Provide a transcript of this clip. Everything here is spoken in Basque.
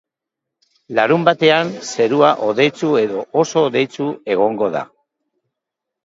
Larunbatean, zerua hodeitsu edo oso hodeitsu egongo da.